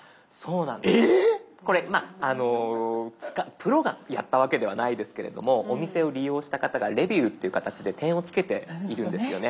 プロがやったわけではないですけれどもお店を利用した方がレビューっていう形で点をつけているんですよね。